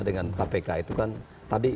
dengan kpk itu kan tadi